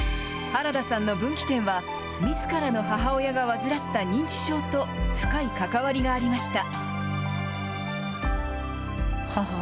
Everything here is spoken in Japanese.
原田さんの分岐点は、みずからの母親が患った認知症と深い関わりがありました。